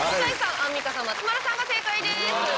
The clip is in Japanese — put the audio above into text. アンミカさん松丸さんが正解です。